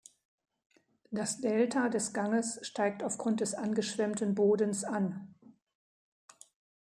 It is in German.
Das Delta des Ganges steigt aufgrund des angeschwemmten Bodens an.